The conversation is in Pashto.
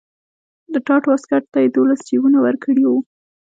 د ټاټ واسکټ ته یې دولس جیبونه ورکړي وو.